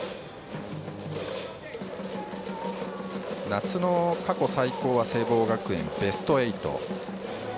夏の過去最高は聖望学園ベスト８。